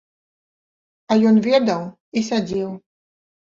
А ён ведаў і сядзеў.